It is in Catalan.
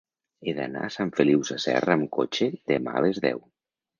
He d'anar a Sant Feliu Sasserra amb cotxe demà a les deu.